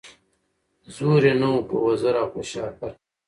زور یې نه وو په وزر او په شهپر کي